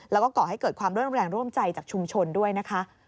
แล้วก็ก่อให้เกิดความร่วมแรงร่วมใจจากชุมชนด้วยนะคะ